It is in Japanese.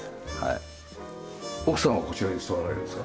奥さんはこちらに座られるんですか？